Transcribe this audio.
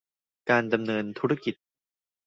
การดำเนินธุรกิจ